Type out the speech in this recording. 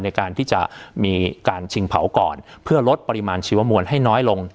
ในการที่จะมีการชิงเผาก่อนเพื่อลดปริมาณชีวมวลให้น้อยลง